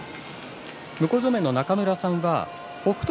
向正面の中村さんは北勝